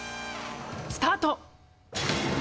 スタート！